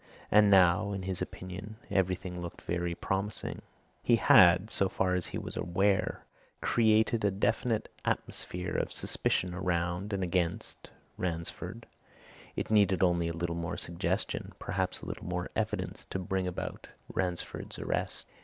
And now, in his opinion, everything looked very promising. He had so far as he was aware created a definite atmosphere of suspicion around and against Ransford it needed only a little more suggestion, perhaps a little more evidence to bring about Ransford's arrest.